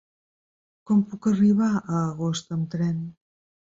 Com puc arribar a Agost amb tren?